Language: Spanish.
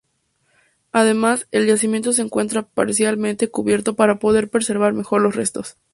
Además, el yacimiento se encuentra parcialmente cubierto para poder preservar mejor los restos.